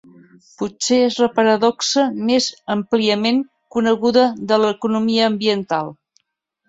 Potser és la paradoxa més àmpliament coneguda de l'economia ambiental.